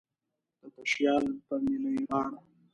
د تشیال پر نیلی غاړه